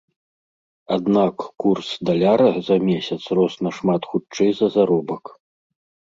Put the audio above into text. Аднак курс даляра за месяц рос нашмат хутчэй за заробак.